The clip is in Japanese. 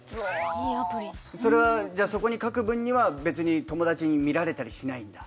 いいアプリそれはじゃあそこに書く分には別に友達に見られたりしないんだ？